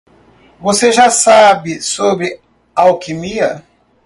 Você já sabe sobre alquimia.